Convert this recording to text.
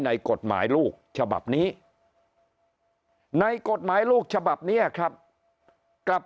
ในกฎหมายลูกฉบับนี้ในกฎหมายลูกฉบับนี้ครับกลับ